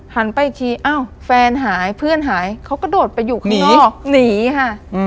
ไปอีกทีอ้าวแฟนหายเพื่อนหายเขากระโดดไปอยู่ข้างนอกหนีค่ะ